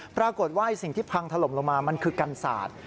ปรากฏว่าสิ่งที่พังถล่มลงมามันคือกันศาสตร์